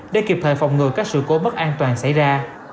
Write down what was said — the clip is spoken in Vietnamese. để kịp thời phòng ngừa các sự cố mất an toàn xảy ra